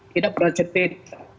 tidak pernah ceritakan